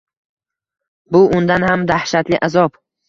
Bu undan ham dahshatli azob.